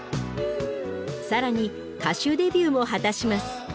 更に歌手デビューも果たします。